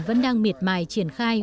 vẫn đang miệt mài triển khai